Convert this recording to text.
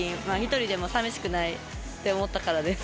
１人でもさみしくないって思ったからです。